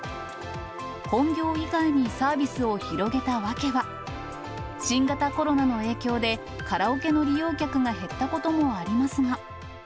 本業以外にサービスを広げた訳は、新型コロナの影響で、カラオケの利用客が減ったこともありますが。